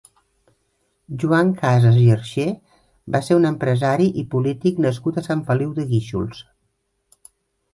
Joan Cases i Arxer va ser un empresari i polític nascut a Sant Feliu de Guíxols.